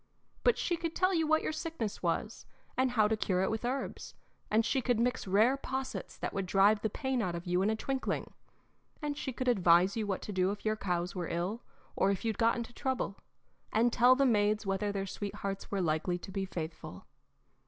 But she could tell you what your sickness was, and how to cure it with herbs, and she could mix rare possets that would drive the pain out of you in a twinkling; and she could advise you what to do if your cows were ill, or if you'd got into trouble, and tell the maids whether their sweethearts were likely to be faithful.